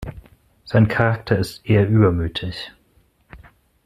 Sein Charakter ist eher übermütig.